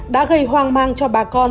đã gây hoang mang cho bà con